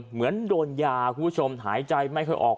เหมือนโดนยาคุณผู้ชมหายใจไม่ค่อยออก